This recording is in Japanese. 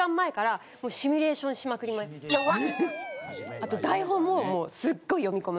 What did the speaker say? あと台本もすっごい読み込む。